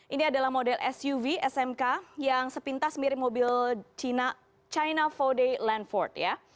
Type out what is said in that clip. ini adalah model suv smk yang sepintas mirip mobil china empat day land fort ya